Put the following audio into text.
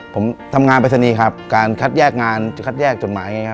ผมทำงานไปรษณีย์ครับการคัดแยกงานคัดแยกจดหมาย